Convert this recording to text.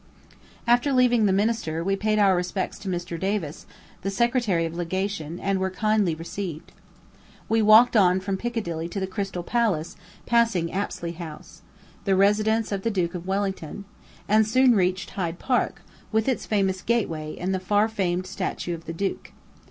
After leaving the minister, we paid our respects to Mr. Davis, the secretary of legation, and were kindly received. We walked on from Piccadilly to the Crystal Palace, passing Apsley House, the residence of the Duke of Wellington, and soon reached Hyde Park, with its famous gateway and the far famed statue of "the duke."